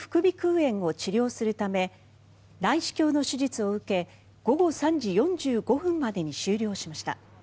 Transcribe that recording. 炎を治療するため内視鏡の手術を受け午後３時４５分までに終了しました。